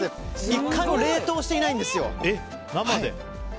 １回も冷凍していないんですよ。